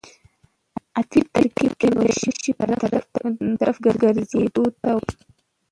عطفي ترکیب د یو شي په طرف ګرځېدو ته وایي.